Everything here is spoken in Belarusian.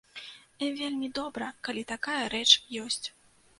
Вельмі добра, калі такая рэч ёсць.